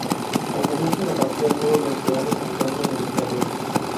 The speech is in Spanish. Al comienzo de la partida sólo los peones se encuentran en el tablero.